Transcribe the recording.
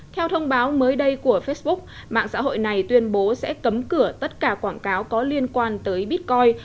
theo thông báo mới đây của facebook mạng xã hội này tuyên bố sẽ cấm cửa tất cả quảng cáo có liên quan tới bitcoin